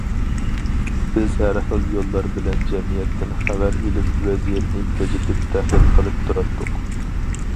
بىز ھەر خىل يوللار بىلەن جەمئىيەتتىن خەۋەر ئېلىپ، ۋەزىيەتنى كۆزىتىپ، تەھلىل قىلىپ تۇراتتۇق.